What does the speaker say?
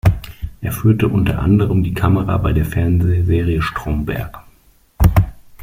Er führte unter anderem die Kamera bei der Fernsehserie Stromberg.